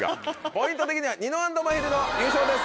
ポイント的にはニノ＆まひるの優勝です！